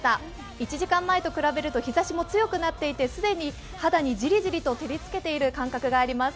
１時間前と比べると、日ざしも強くなっていて既に肌にじりじりと照りつけている感覚があります。